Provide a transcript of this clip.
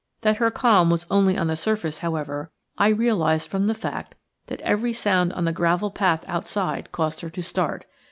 That her calm was only on the surface, however, I realised from the fact that every sound on the gravel path outside caused her to start.